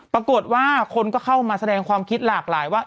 ปรากฏว่าคนก็เข้ามาแสดงความคิดหลากหลายว่า